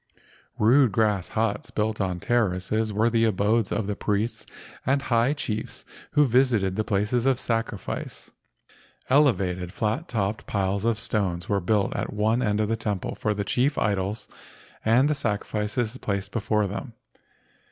Rude grass huts built on terraces were the abodes of the priests and high chiefs who visited the places of sacrifice. Elevated, flat topped piles of stones were built at one end of the temple for the chief idols and the sacrifices placed before them.